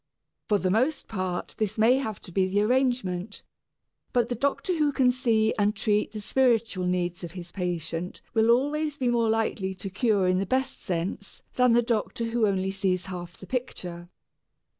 For the most part this may have to be the arrangement, but the doctor who can see and treat the spiritual needs of his patient will always be more likely to cure in the best sense than the doctor who sees only half of the picture.